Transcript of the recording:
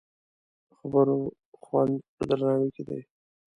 د خبرو خوند په درناوي کې دی